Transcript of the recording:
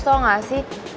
tau gak sih